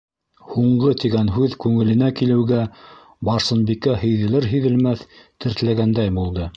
«Һуңғы» тигән һүҙ күңеленә килеүгә Барсынбикә һиҙелер-һиҙелмәҫ тертләгәндәй булды.